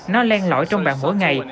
nó len lõi trong bạn mỗi ngày